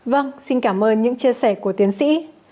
vâng xin cảm ơn những chia sẻ của tiến sĩ